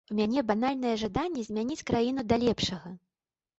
У мяне банальнае жаданне змяніць краіну да лепшага.